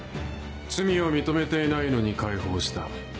罪を認めていないのに解放した。